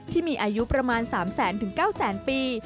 ที่มีอายุประมาณ๓๐๐๙๐๐ปี